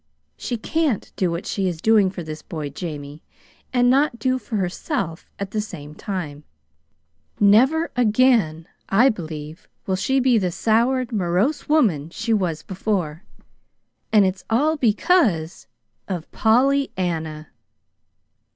She CAN'T do what she is doing for this boy, Jamie, and not do for herself at the same time. Never again, I believe, will she be the soured, morose woman she was before. And it's all because of Pollyanna.